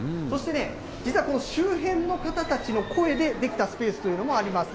そしてね、実はこの周辺の方たちの声で出来たスペースというのもあります。